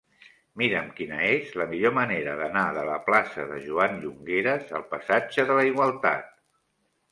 Mira'm quina és la millor manera d'anar de la plaça de Joan Llongueras al passatge de la Igualtat.